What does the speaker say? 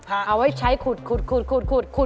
อุปกรณ์ทำสวนชนิดใดราคาถูกที่สุด